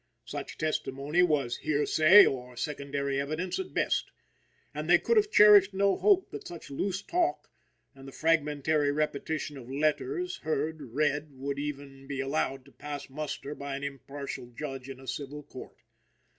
Such testimony was hearsay or secondary evidence at best; and they could have cherished no hope that such loose talk and the fragmentary repetition of letters heard read would ever be allowed to pass muster by an impartial judge in a civil court.